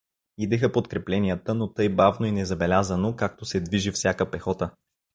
Идеха подкрепленията, но тъй бавно и незабелязано, както се движи всяка пехота.